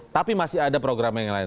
tapi masih ada program yang lain